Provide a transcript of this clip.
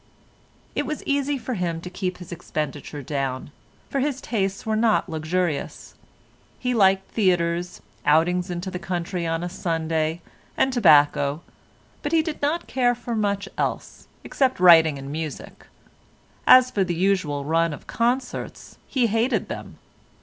It was easy for him to keep his expenditure down, for his tastes were not luxurious. He liked theatres, outings into the country on a Sunday, and tobacco, but he did not care for much else, except writing and music. As for the usual run of concerts, he hated them.